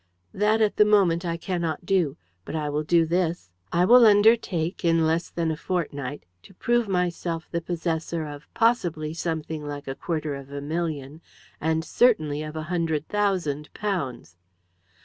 "That, at the moment, I cannot do. But I will do this. I will undertake, in less than a fortnight, to prove myself the possessor of possibly something like a quarter of a million, and certainly of a hundred thousand pounds."